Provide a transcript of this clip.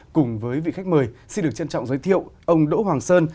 cùng với vị khách mời xin được trân trọng giới thiệu ông đỗ hoàng sơn